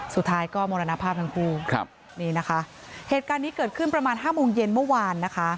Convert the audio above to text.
สุดท้ายก็มรณภาพทั้งคู่ครับนี่นะคะเหตุการณ์นี้เกิดขึ้นประมาณห้าโมงเย็นเมื่อวานนะคะ